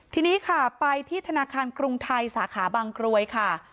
ทีนี้ค่ะไปที่ธนาคารกรุงไทยสาขาบางกรวยค่ะ